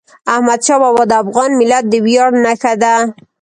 احمدشاه بابا د افغان ملت د ویاړ نښه ده.